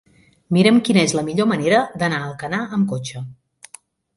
Mira'm quina és la millor manera d'anar a Alcanar amb cotxe.